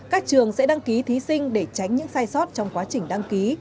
các trường sẽ đăng ký thí sinh để tránh những sai sót trong quá trình đăng ký